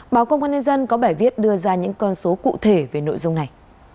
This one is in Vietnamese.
báo công an nhân dân có bài viết đưa ra những con số cụ thể về nội dung này